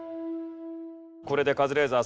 これでカズレーザーさん